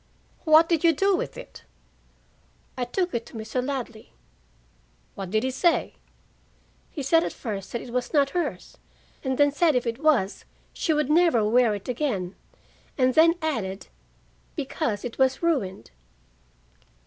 "What did you do with it?" "I took it to Mr. Ladley." "What did he say?" "He said at first that it was not hers. Then he said if it was, she would never wear it again and then added because it was ruined."